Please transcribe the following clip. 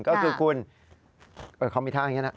ก็คือคุณเขามีท่าอย่างนี้นะ